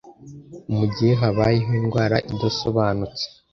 mu gihe habayeho indwara idasobanutse